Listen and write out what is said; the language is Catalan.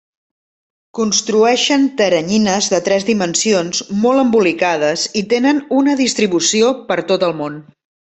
Construeixen teranyines de tres dimensions molt embolicades i tenen una distribució per tot el món.